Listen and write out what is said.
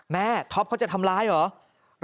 ท็อปเขาจะทำร้ายเหรอ